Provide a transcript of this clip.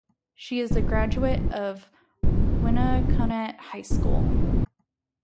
She is a graduate of Winnacunnet High School.